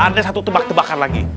anda satu tebak tebakan lagi